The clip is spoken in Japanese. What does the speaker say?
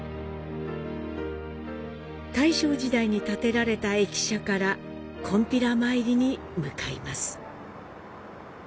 大正時代に建てられた駅舎からこんぴら参りに向かいます。